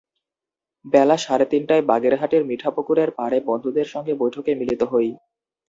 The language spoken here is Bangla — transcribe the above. বেলা সাড়ে তিনটায় বাগেরহাটের মিঠাপুকুরের পাড়ে বন্ধুদের সঙ্গে বৈঠকে মিলিত হই।